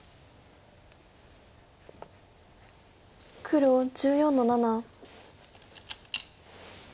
黒１４の七。